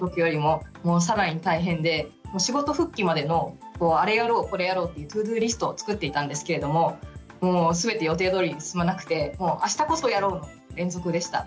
仕事復帰までのあれやろうこれやろうっていうＴｏＤｏリストを作っていたんですけれどももう全て予定どおり進まなくてあしたこそやろうの連続でした。